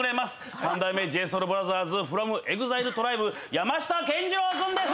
三代目ＪＳＯＵＬＢＲＯＴＨＥＲＳｆｒｏｍＥＸＩＬＥＴＲＩＢＥ山下健二郎くんです！